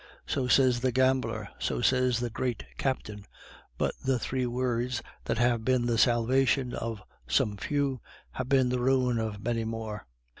So says the gambler; so says the great captain; but the three words that have been the salvation of some few, have been the ruin of many more.